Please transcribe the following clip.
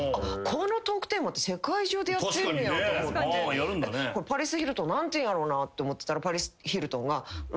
このトークテーマって世界中でやってんねやと思ってパリス・ヒルトン何て言うんやろうって思ってたらパリス・ヒルトンが。